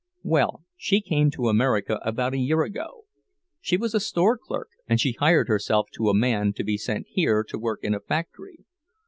"Well, she came to America about a year ago. She was a store clerk, and she hired herself to a man to be sent here to work in a factory.